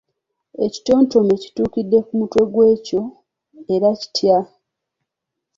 Ekitontome kituukidde ku mutwe gwa kyo, era kitya?